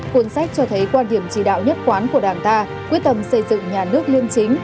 cuốn sách cho thấy quan điểm chỉ đạo nhất quán của đảng ta quyết tâm xây dựng nhà nước liêm chính